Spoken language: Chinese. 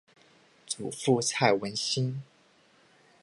祖父蔡文兴。